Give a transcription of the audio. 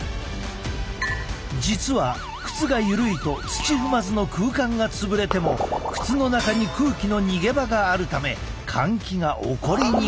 実は靴がゆるいと土踏まずの空間が潰れても靴の中に空気の逃げ場があるため換気が起こりにくい。